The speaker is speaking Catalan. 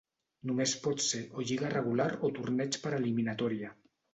Només pot ser o lliga regular o torneig per eliminatòria.